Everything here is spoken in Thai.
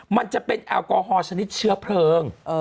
มันจะเป็นแอลกอฮอลชนิดเชื้อเพลิง